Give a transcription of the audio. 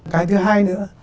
cái thứ hai nữa